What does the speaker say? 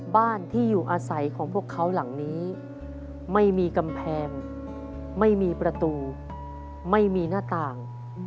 บ้านที่อยู่อาศัยของพวกเขาหลังนี้ไม่มีกำแพงไม่มีประตูไม่มีหน้าต่าง